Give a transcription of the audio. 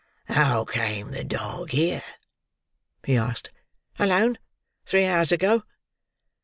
"How came that dog here?" he asked. "Alone. Three hours ago."